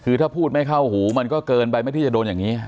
คือถ้าพูดไม่เข้าหูมันก็เกินไปไม่ที่จะโดนอย่างนี้